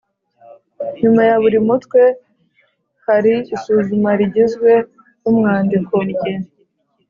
Nyuma ya buri mutwe hari isuzuma rigizwe n’umwandiko